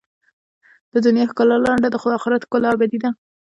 د دنیا ښکلا لنډه ده، خو د آخرت ښکلا ابدي ده.